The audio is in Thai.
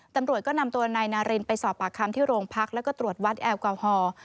ตำรวจก็นำตัวนายนารินไปสอบปากคำที่โรงพักแล้วก็ตรวจวัดแอลกอฮอล์